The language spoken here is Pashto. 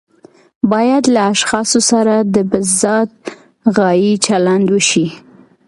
باید له اشخاصو سره د بالذات غایې چلند وشي.